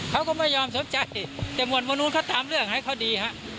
เขาก็ไม่ยอมสนใจแต่หมวดมนุนเขาตามเรื่องให้เขาดีฮะ